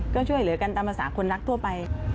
ก็ช่วยเหลือกันตามภาษาคนรักทั่วไป